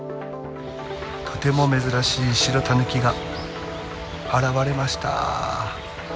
とても珍しい白タヌキが現れました。